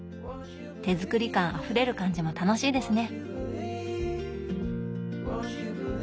手作り感あふれる感じも楽しいですね。